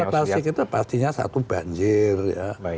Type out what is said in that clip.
ya masalah klasik itu pastinya satu banjir ya